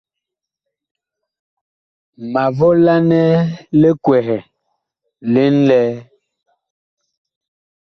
Ma volanɛ li kwɛhɛ li ŋlɛɛ.